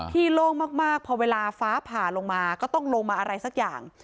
โล่งมากพอเวลาฟ้าผ่าลงมาก็ต้องลงมาอะไรสักอย่าง